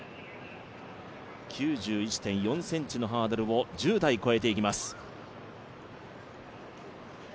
９１．４ｃｍのハードルを１０台、越えていきます。